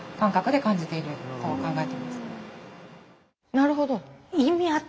なるほど。